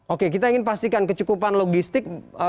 oke kita ingin pastikan kecukupan logistik